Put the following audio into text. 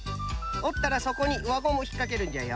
おったらそこにわゴムをひっかけるんじゃよ。